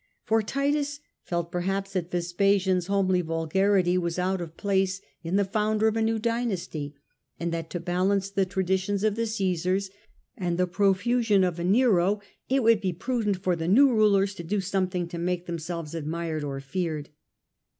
For Titus felt per haps that Vespasian's homely vulgarity was out of place in the founder of a new dynasty, and that to balance the traditions of the Cmsars and the profusion of a and studied Nero it would be prudent for the new rulers oTSt^rd^' to do something to make themselves admired show. or feared.